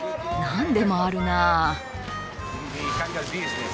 何でもあるなぁ。